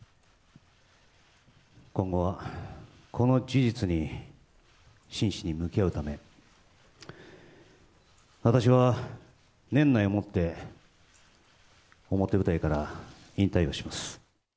今後は、この事実に真摯に向き合うため、私は年内をもって表舞台から引退をします。